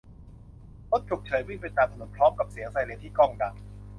รถฉุกเฉินวิ่งไปตามถนนพร้อมกับเสียงไซเรนที่ก้องดัง